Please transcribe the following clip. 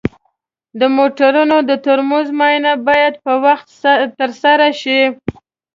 د موټرو د ترمز معاینه باید په وخت ترسره شي.